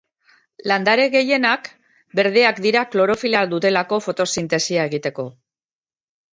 Landare gehienak berdeak dira klorofila dutelako fotosintesia egiteko.